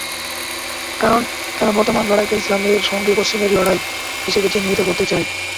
কারণ, তারা বর্তমান লড়াইকে ইসলামের সঙ্গে পশ্চিমের লড়াই হিসেবে চিহ্নিত করতে চায়।